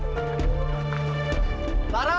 atau apa sih